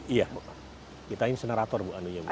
iya bu kita insinerator bu anunya